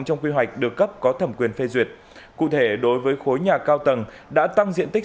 trong quy hoạch được cấp có thẩm quyền phê duyệt cụ thể đối với khối nhà cao tầng đã tăng diện tích